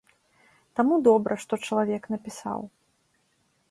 Таму добра, што чалавек напісаў.